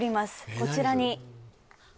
こちらにえ